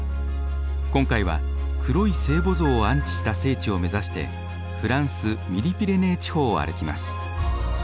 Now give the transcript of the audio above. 今回は黒い聖母像を安置した聖地を目指してフランス・ミディピレネー地方を歩きます。